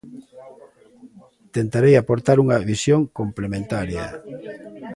Tentarei aportar unha visión complementaria.